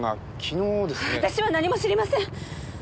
私は何も知りません！